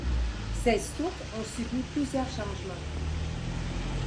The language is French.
Ces souks ont subi plusieurs changements.